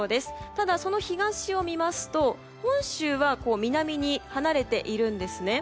ただ、その東を見ますと本州は南に離れているんですね。